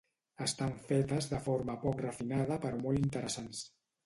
Estan fetes de forma poc refinada però molt interessants.